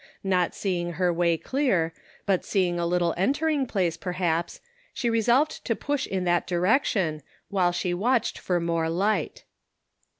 Not seeing her way clear, but seeing a little entering place, perhaps, she resolved to push in that direction, while she watched for more light.